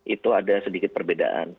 itu ada sedikit perbedaan